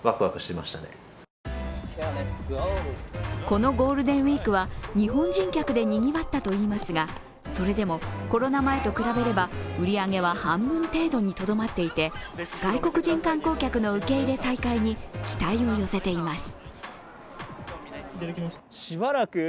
このゴールデンウイークは日本人客でにぎわったといいますがそれでもコロナ前と比べれば売り上げは半分程度にとどまっていて外国人観光客の受け入れ再開に期待を寄せています。